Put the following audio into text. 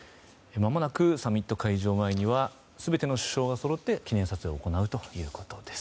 まもなくサミット会場前には全ての首相がそろって記念撮影を行うということです。